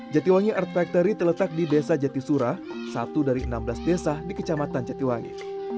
jatiwangi art factory terletak di desa jatisura satu dari enam belas desa di kecamatan jatiwangi